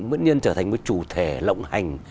vẫn nên trở thành một chủ thể lộng hành